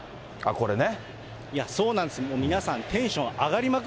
これね。